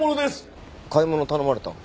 買い物頼まれたの？